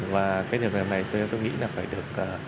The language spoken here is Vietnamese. và cái điều này tôi nghĩ là phải được